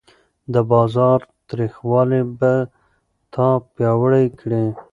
د بازار تریخوالی به تا پیاوړی کړي.